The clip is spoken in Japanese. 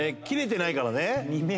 切れてないからね。